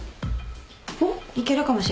いけるかもしれない。